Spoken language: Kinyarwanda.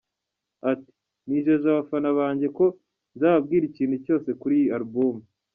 Ati « Nijeje abafana banjye ko nzababwira ikintu cyose kuri iyi album.